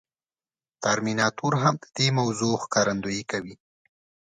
ترمیناتور هم د دې موضوع ښکارندويي کوي.